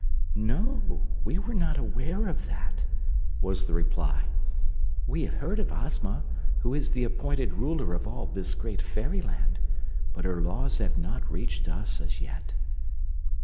"No, we were not aware of that," was the reply. "We have heard of Ozma, who is the appointed Ruler of all this great fairyland, but her laws have not reached us, as yet."